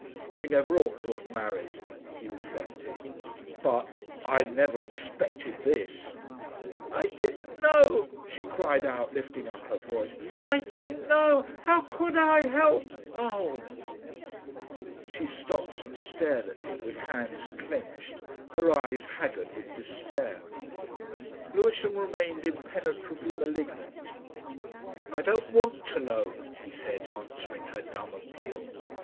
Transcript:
"We never ought to have married," he reflected. "But ... I never expected this!" "I didn't know," she cried out, lifting up her voice. "I didn't know. How could I help! Oh!" She stopped and stared at him with hands clenched, her eyes haggard with despair. Lewisham remained impenetrably malignant. "I don't want to know," he said, answering her dumb appeal.